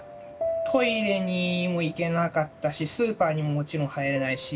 トイレにも行けなかったしスーパーにももちろん入れないし。